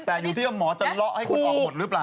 แต่อยู่ที่ว่าหมอจะเลาะให้คุณออกหมดหรือเปล่า